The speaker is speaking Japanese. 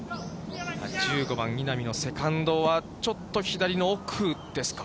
１５番、稲見のセカンドは、ちょっと左の奥ですか。